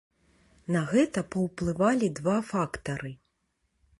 На гэта паўплывалі два фактары.